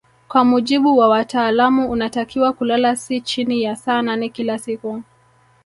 Kwa mujibu wa wataalamu unatakiwa kulala si chini ya saa nane kila siku